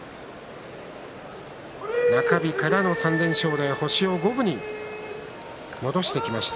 中日からの３連勝で星を五分に戻してきました